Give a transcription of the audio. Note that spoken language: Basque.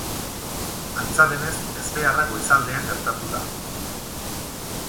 Antza denez, ezbeharra goizaldean gertatu da.